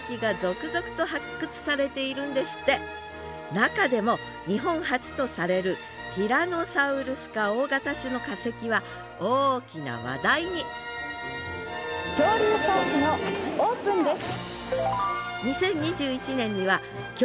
中でも日本初とされるティラノサウルス科大型種の化石は大きな話題に「恐竜パークのオープンです」。